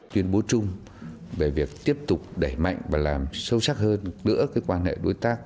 tuyên bố chung về việc tiếp tục đẩy mạnh và làm sâu sắc hơn nữa quan hệ đối tác